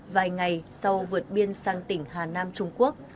vài ngày sau vượt biên sang tỉnh hà nam trung quốc